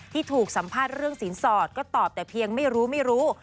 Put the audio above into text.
ที่ถูกสัมภาษณ์เรื่องสินสอดก็ตอบแต่เพียงไม่รู้ไม่รู้